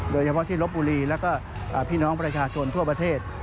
โดยเฉพาะที่ลบบุรีแล้วก็พี่น้องประชาชนทั่วประเทศ